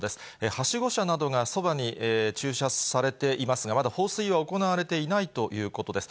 はしご車などがそばに駐車されていますが、まだ放水は行われていないということです。